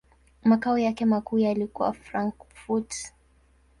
Makao yake makuu yalikuwa Frankfurt.